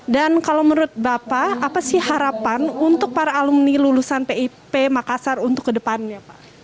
dan kalau menurut bapak apa sih harapan untuk para alumni lulusan pip makassar untuk ke depannya